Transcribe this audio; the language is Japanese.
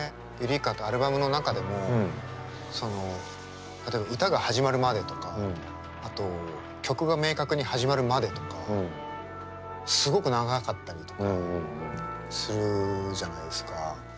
「Ｅｕｒｅｋａ」のアルバムの中でもその例えば歌が始まるまでとかあと曲が明確に始まるまでとかすごく長かったりとかするじゃないですか。